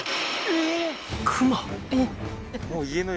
えっ！？